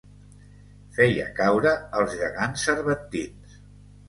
Feia caure els gegants cervantins.